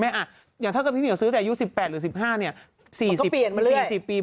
แม่อ่ะอย่างถ้ากับคิดนี้ซื้อแต่อายุ๑๘หรือ๑๕เนี่ย๔๐๔๐ปี